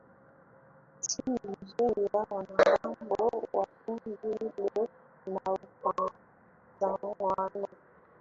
nchini NigeriaWanamgambo wa kundi hilo wanaotazamwa na